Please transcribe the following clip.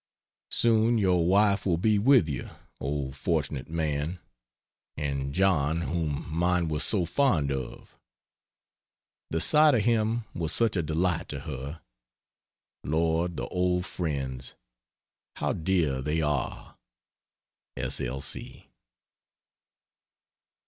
Soon your wife will be with you, oh fortunate man! And John, whom mine was so fond of. The sight of him was such a delight to her. Lord, the old friends, how dear they are. S. L.